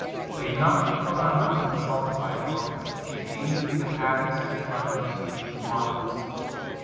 The young people are not consulted by the broker. She deals with the parents, and gener ally with the mothers.